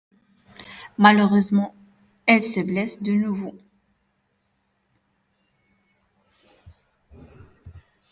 Malheureusement, elle se blesse de nouveau.